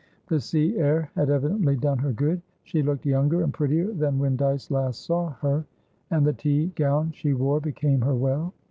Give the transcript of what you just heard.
The sea air had evidently done her good; she looked younger and prettier than when Dyce last saw her, and the tea gown she wore became her well.